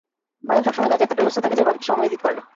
ভাইয়া সবসময় কাজে এতটাই ব্যস্ত থাকে যে ভাবিকে সময়ই দিতে পারে না।